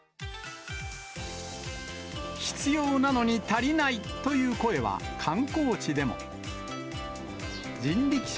必要なのに足りないという声は観光地でも。